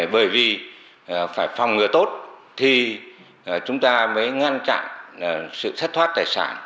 bởi vì phải phòng ngừa tốt thì chúng ta mới ngăn chặn sự thất thoát tài sản